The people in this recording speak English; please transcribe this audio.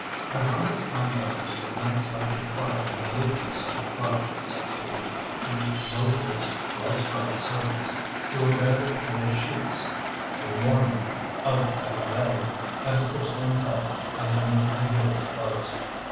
"I wanted to come back to the unexpected quiet and aloofness of a club," says he, "to low voiced, well scrubbed servants ; to a bed of cool sheets, to a morning of a valet and a porcelain tub and new and beautiful clothes."